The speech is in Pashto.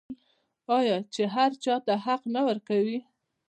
آیا چې هر چا ته حق نه ورکوي؟